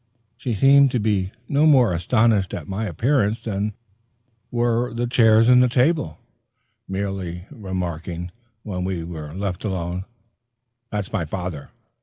She seemed to be no more astonished at my appearance than were the chairs and table, merely remarking, when we were left alone, "That's my father.